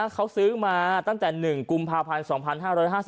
เขาซื้อมาตั้งแต่๑กุมภาพันธ์๒๕๕๙